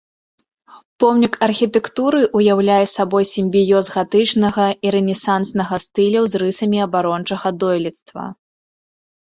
Помнік архітэктуры ўяўляе сабой сімбіёз гатычнага і рэнесанснага стыляў з рысамі абарончага дойлідства.